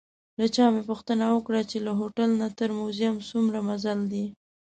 له چا مې پوښتنه وکړه چې له هوټل نه تر موزیم څومره مزل دی.